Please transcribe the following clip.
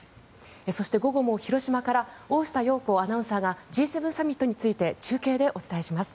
そして、午後も広島から大下容子アナウンサーがＧ７サミットについて中継でお伝えします。